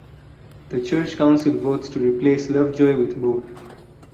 The church council votes to replace Lovejoy with Bode.